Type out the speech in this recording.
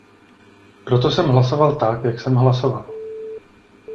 Proto jsem hlasoval tak, jak jsem hlasoval.